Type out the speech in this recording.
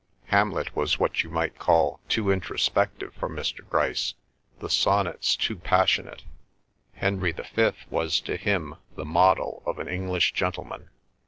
Hamlet was what you might call too introspective for Mr. Grice, the sonnets too passionate; Henry the Fifth was to him the model of an English gentleman.